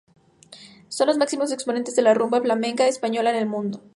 Son los máximos exponentes de la rumba flamenca española en el mundo.